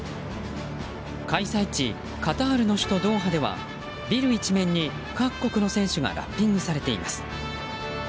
開催地カタールの首都ドーハではビル一面に各国の選手がラッピングされています。